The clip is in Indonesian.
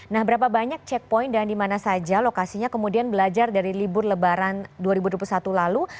nah berapa banyak checkpoint dan di mana saja lokasinya kemudian belajar dari libur lebaran dua ribu dua puluh satu lalu